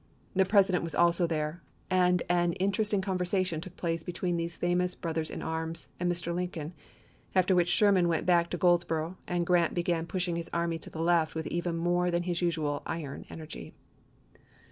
The President was also there, and an in teresting conversation took place between these famous brothers in arms and Mr. Lincoln, after which Sherman went back to Goldsboro' and Grant began pushing his army to the left with even more than his usual iron energy.